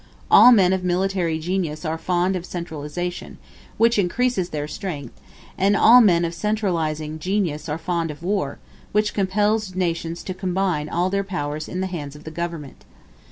All men of military genius are fond of centralization, which increases their strength; and all men of centralizing genius are fond of war, which compels nations to combine all their powers in the hands of the government.